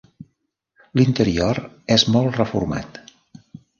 L'interior és molt reformat.